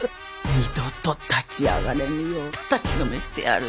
二度と立ち上がれぬようたたきのめしてやる。